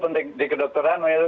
jadi kita bisa mencari jalan lain